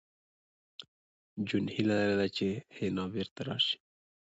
جون هیله لرله چې حنا بېرته راشي